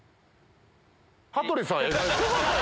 羽鳥さん。